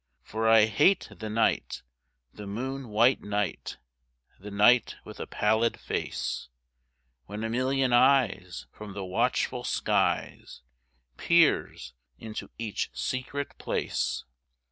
For I hate the night, the moon white night, The night with a pallid face, When a million eyes from the watchful skies Peers into each secret place.